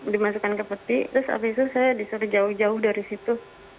dimasukkan ke peti terus abis itu saya disuruh jauh jauh dari situ